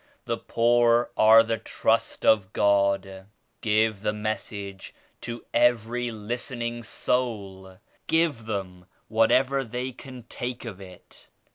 The poor are the trust of God. Give the Message to every listening soul. Give them whatever they can take of it.